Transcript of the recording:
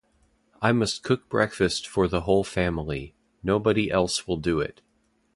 I must cook breakfast for the whole family, nobody else will do it.